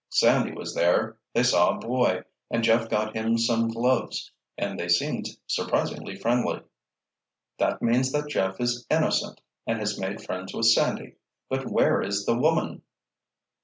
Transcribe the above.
"Sandy was there—they saw a boy, and Jeff got him some gloves; and they seemed surprisingly friendly." "That means that Jeff is innocent and has made friends with Sandy; but where is the woman?"